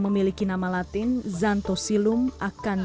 sampai jumpa di video selanjutnya